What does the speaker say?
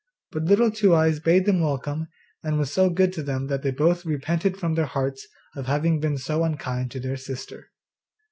But Little Two eyes bade them welcome, and was so good to them that they both repented from their hearts of having been so unkind to their sister.